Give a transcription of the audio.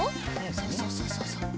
そうそうそうそう。